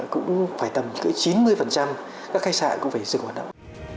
cũng phải tầm cỡ chín mươi các khách sạn cũng phải dừng hoạt động